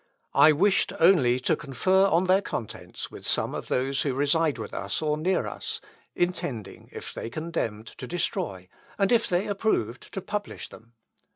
I wished only to confer on their contents with some of those who reside with us or near us; intending, if they condemned, to destroy, and if they approved, to publish them.